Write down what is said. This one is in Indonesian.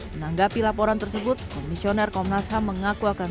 menanggapi laporan tersebut komisioner komnas ham mengaku akan